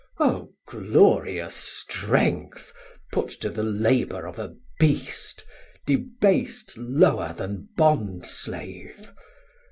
O glorious strength Put to the labour of a Beast, debas't Lower then bondslave!